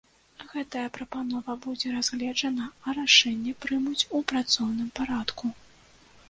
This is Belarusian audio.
Гэтая прапанова будзе разгледжана, а рашэнне прымуць у працоўным парадку.